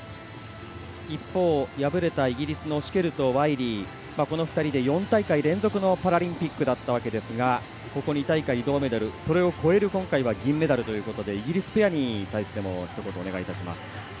一方、敗れたイギリスのシュケルとワイリーこの２人で４大会連続のパラリンピックだったわけですがここ２大会銅メダルそれを超える今大会は銀メダルということでイギリスペアに対してもひと言お願いいたします。